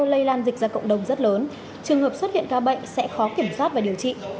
lây lan dịch ra cộng đồng rất lớn trường hợp xuất hiện ca bệnh sẽ khó kiểm soát và điều trị